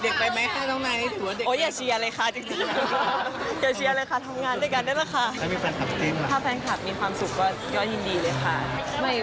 เด็กไปไหมค่ะน้องนายถือว่าเด็กไปไหม